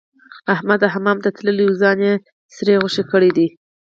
احمد حمام ته تللی وو؛ ځان يې سرې غوښې کړی دی.